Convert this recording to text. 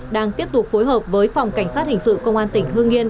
đang tiếp tục phối hợp với phòng cảnh sát hình sự công an tỉnh hương yên